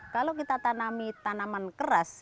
kalau kita tanami tanaman keras